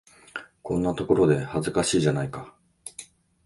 こんなところで、恥ずかしいじゃないか。